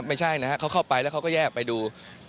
ไม่ใช่นะครับเขาเข้าไปแล้วเขาก็แยกไปดู